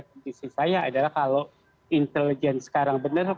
kondisi saya adalah kalau intelijen sekarang benar